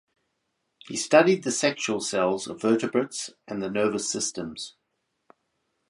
He studied the sexual cells of vertebrates and the nervous systems.